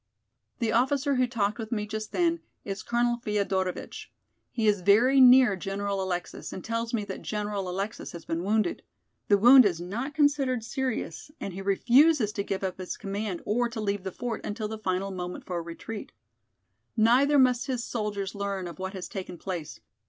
The officer who talked with me just then is Colonel Feodorovitch. He is very near General Alexis and tells me that General Alexis has been wounded. The wound is not considered serious and he refuses to give up his command or to leave the fort until the final moment for retreat. Neither must his soldiers learn of what has taken place.